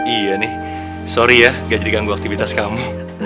iya nih sorry ya gak jadi ganggu aktivitas kamu